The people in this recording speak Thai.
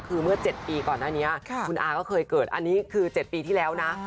คือเมื่อ๗ปีก่อนหน้านี้คุณอาก็เคยเกิดอันนี้คือ๗ปีที่แล้วนะ